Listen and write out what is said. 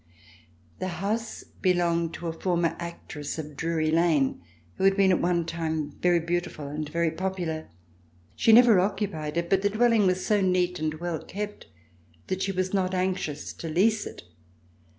The house belonged to a former actress of Drury Lane who had been at one time very beautiful and very popular. She never occupied it, but the dwelling was so neat and well kept that she was not anxious to lease it.